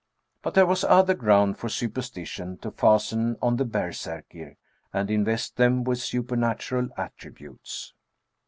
But there was other ground for superstition to fasten on the berserkir, and invest them with super natural attributes.